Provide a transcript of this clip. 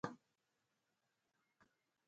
د افغانستان طبیعت له هرات څخه جوړ شوی دی.